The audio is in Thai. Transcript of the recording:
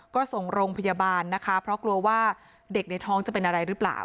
ก็ส่งโรงพยาบาลนะคะเพราะกลัวว่าเด็กในท้องจะเป็นอะไรหรือเปล่า